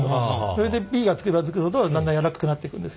それでＢがつけばつくほどだんだん柔らかくなっていくんですけども。